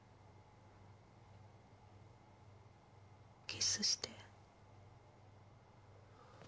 キスして。